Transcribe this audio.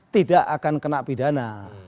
tidak akan kena pidana